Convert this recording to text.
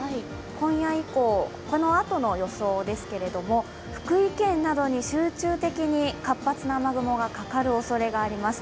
今夜以降、このあとの予想ですけれども、福井県などに集中的に活発な雨雲がかかるおそれがあります。